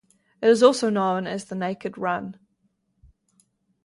It is also known as the Naked Run.